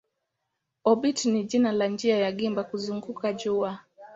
Obiti ni jina la njia ya gimba kuzunguka jua.